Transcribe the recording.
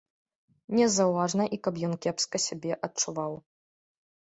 Не заўважна і каб ён кепска сябе адчуваў.